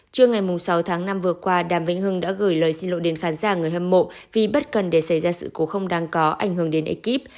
trưa ngày sáu tháng năm vừa qua đàm vĩnh hưng đã gửi lời xin lỗi đến khán giả người hâm mộ vì bất cần để xảy ra sự cố không đáng có ảnh hưởng đến ekip